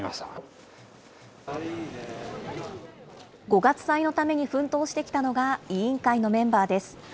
五月祭のために奮闘してきたのが、委員会のメンバーです。